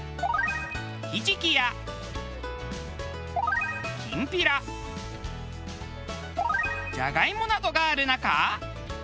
ひじきやきんぴらじゃがいもなどがある中。